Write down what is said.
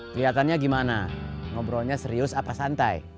kelihatannya gimana ngobrolnya serius apa santai